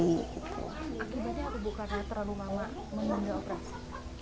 akibatnya bukannya terlalu lama memang gak operasi